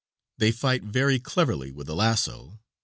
They fight very cleverly with the lasso.